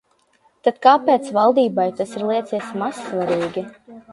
Tad kāpēc valdībai tas ir licies mazsvarīgi?